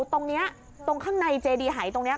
ตรงนี้ตรงข้างในเจดีหายตรงนี้